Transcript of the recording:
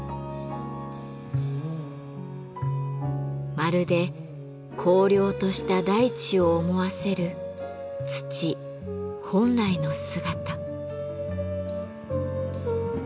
まるで荒涼とした大地を思わせる土本来の姿。